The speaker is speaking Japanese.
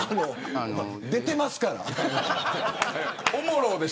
出てますから。